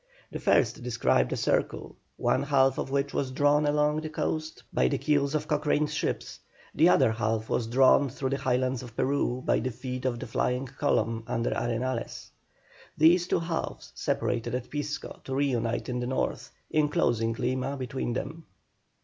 The first described a circle, one half of which was drawn along the coast by the keels of Cochrane's ships; the other half was drawn through the Highlands of Peru by the feet of the flying column under Arenales. These two halves separated at Pisco to reunite in the north, enclosing Lima between them.